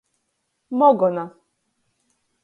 Mogona.